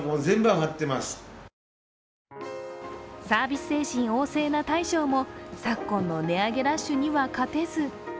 サービス精神旺盛な大将も昨今の値上げラッシュには勝てず。